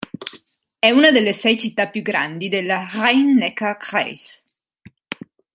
È una delle sei città più grandi della Rhein-Neckar-Kreis.